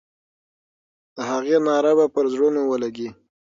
د هغې ناره به پر زړونو ولګي.